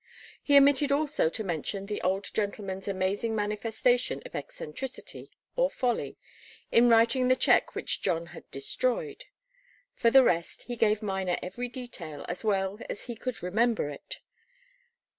He omitted also to mention the old gentleman's amazing manifestation of eccentricity or folly in writing the cheque which John had destroyed. For the rest, he gave Miner every detail as well as he could remember it.